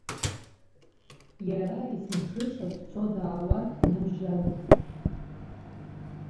Иара есмҽыша дцо-даауа дныбжьалеит.